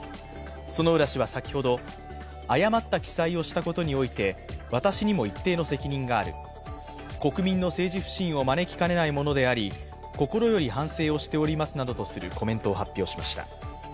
薗浦氏は先ほど、誤った記載をしたことについて私にも一定の責任がある、国民の政治不信を招きかねないものであり心より反省をしておりますなどとするコメントを発表しました。